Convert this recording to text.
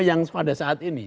yang pada saat ini